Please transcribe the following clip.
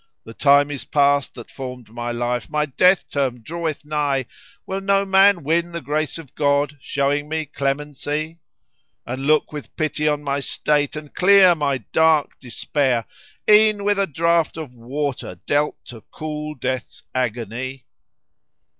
The time is past that formed my life, my death term draweth nigh, * Will no man win the grace of God showing me clemency; And look with pity on my state, and clear my dark despair, * E'en with a draught of water dealt to cool death's agony?"